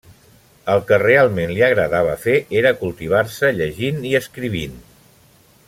El que realment li agradava fer era cultivar-se llegint i escrivint.